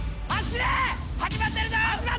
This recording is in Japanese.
始まってるぞ！